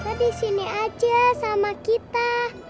saya di sini aja sama kita